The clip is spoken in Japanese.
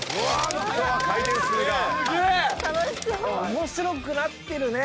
面白くなってるね！